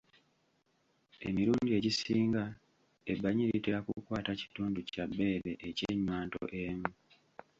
Emirundi egisinga ebbanyi litera kukwata kitundu kya bbeere eky'ennywanto emu.